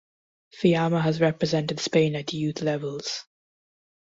Fiamma has represented Spain at youth levels.